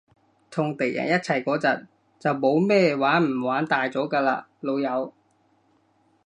同敵人一齊嗰陣，就冇咩玩唔玩大咗㗎喇，老友